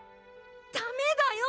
ダメだよ！